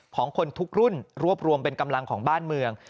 ของคนทุกรุ่นรวบรวมเป็นกำลังของบ้านเมือง